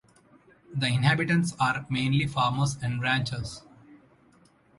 The inhabitants are mainly farmers and ranchers.